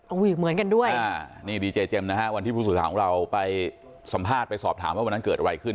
โอ้โหเหมือนกันด้วยนี่ดีเจเจมส์วันที่ผู้สื่อข่าวของเราไปสัมภาษณ์ไปสอบถามว่าวันนั้นเกิดอะไรขึ้น